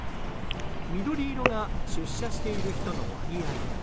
緑色が出社している人の割合。